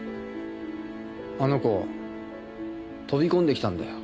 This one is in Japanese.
あの子飛び込んできたんだよ。